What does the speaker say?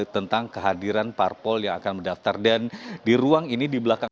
tentang kehadiran parpol yang akan mendaftar dan di ruang ini di belakang